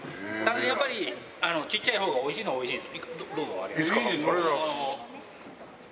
やっぱりちっちゃいほうがおいしいのはおいしいです。